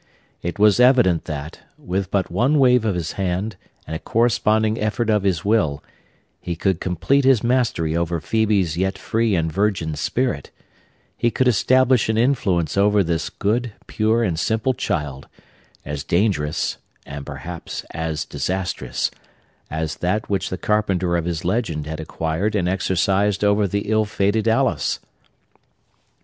It was evident, that, with but one wave of his hand and a corresponding effort of his will, he could complete his mastery over Phœbe's yet free and virgin spirit: he could establish an influence over this good, pure, and simple child, as dangerous, and perhaps as disastrous, as that which the carpenter of his legend had acquired and exercised over the ill fated Alice.